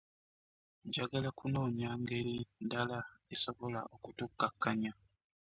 Njagala kunoonya ngeri ndala esobola okutukakanya.